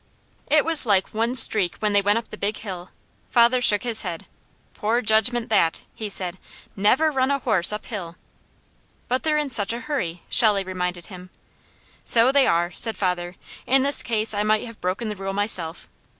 It was like one streak when they went up the Big Hill. Father shook his head. "Poor judgment that," he said. "Never run a horse up hill!" "But they're in such a hurry," Shelley reminded him. "So they are," said father. "In this case I might have broken the rule myself.